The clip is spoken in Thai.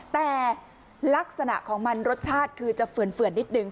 แต่ลักษณะของมันรสชาติคือจะเฝื่อนนิดนึง